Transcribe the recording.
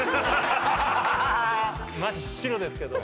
真っ白ですけど。